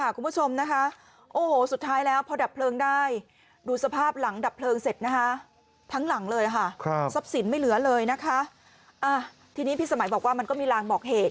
ครับซับสินไม่เหลือเลยนะคะอ้ะทีนี้พี่สมัยบอกว่ามันก็มีหลางบอกเหตุ